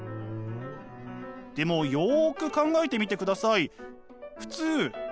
でもよく考えてみてください。